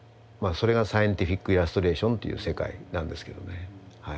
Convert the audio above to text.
それがサイエンティフィックイラストレーションという世界なんですけどね。